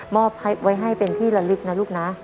อบไว้ให้เป็นที่ละลึกนะลูกนะ